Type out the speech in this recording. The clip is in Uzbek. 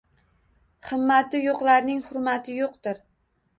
Himmati yo’qlarning hurmati yo’qdir